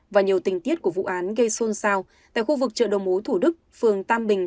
và nhiều tình tiết của vụ án gây xôn xao tại khu vực chợ đồng mối thủ đức phường tam bình